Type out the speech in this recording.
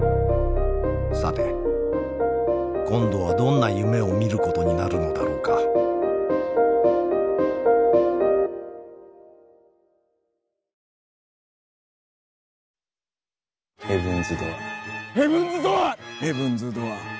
さて今度はどんな夢を見ることになるのだろうかニーニーニー。